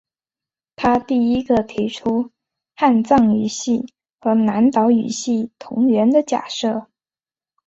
他第一个提出汉藏语系和南岛语系同源的假设。